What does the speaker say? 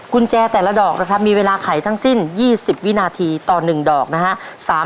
กุญแจแต่ละดอกนะครับมีเวลาไขทั้งสิ้น๒๐วินาทีต่อ๑ดอกนะฮะ